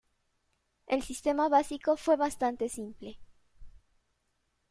El sistema básico fue bastante simple.